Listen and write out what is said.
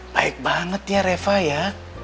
baik banget ya reva ya